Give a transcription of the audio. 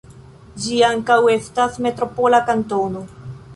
Ĝi ankaŭ estas metropola kantono.